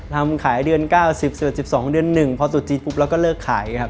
ทำขายเดือน๙๐แล้ว๑๒เดือน๑พอสุดที่ปุ๊บแล้วก็เลิกขาย